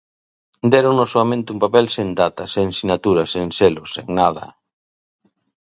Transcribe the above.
Déronnos soamente un papel sen data, sen sinatura, sen selo, sen nada.